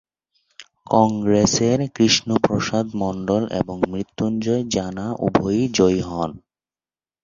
কংগ্রেসের কৃষ্ণ প্রসাদ মণ্ডল এবং মৃত্যুঞ্জয় জানা উভয়ই জয়ী হন।